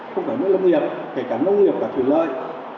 không phải mấy nông nghiệp phải cả nông nghiệp và thủy lợi